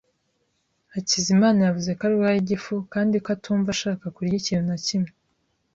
Hakizimana yavuze ko arwaye igifu kandi ko atumva ashaka kurya ikintu na kimwe.